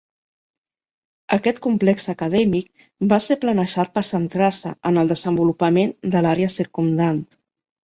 Aquest complex acadèmic va ser planejat per centrar-se en el desenvolupament de l'àrea circumdant.